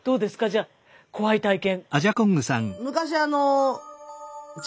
じゃあ怖い体験。